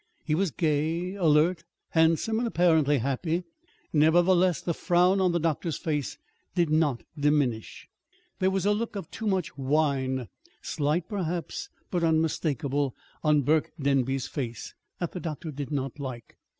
He was gay, alert, handsome, and apparently happy. Nevertheless, the frown on the doctor's face did not diminish. There was a look of too much wine slight, perhaps, but unmistakable on Burke Denby's face, that the doctor did not like.